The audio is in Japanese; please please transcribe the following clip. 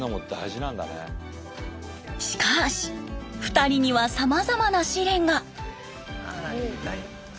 しかし２人にはさまざまな試練が。